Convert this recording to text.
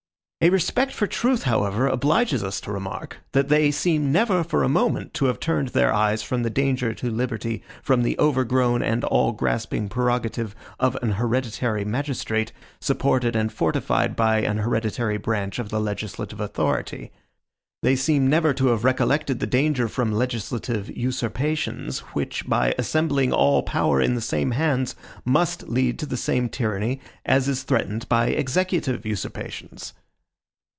A respect for truth, however, obliges us to remark, that they seem never for a moment to have turned their eyes from the danger to liberty from the overgrown and all grasping prerogative of an hereditary magistrate, supported and fortified by an hereditary branch of the legislative authority. They seem never to have recollected the danger from legislative usurpations, which, by assembling all power in the same hands, must lead to the same tyranny as is threatened by executive usurpations.